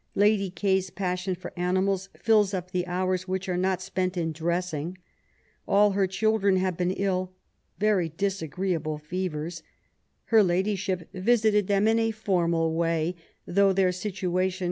Lady K.'s passion for animals fills up the hours which are not spent in dressing. All her children have been ill, — very dis agreeable fevers. Her ladyship visited them in a formal way, though their situation